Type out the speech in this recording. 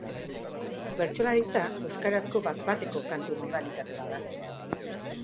Bertsolaritza euskarazko bat-bateko kantu modalitate bat da.